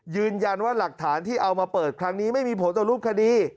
ยืนยันว่าหลักฐานที่เอามาเปิดครั้งนี้ไม่มีผลต่อรูปคดี